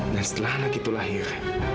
dan setelah anak itu lahir